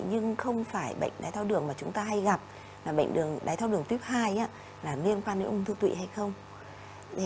nhưng không phải bệnh đái tháo đường mà chúng ta hay gặp là bệnh đái tháo đường tuyếp hai là liên quan đến ôn thư tụy hay không